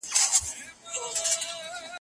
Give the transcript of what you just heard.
د مرۍ نروغي د درملنې وړ ده.